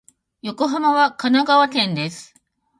横浜は神奈川県です。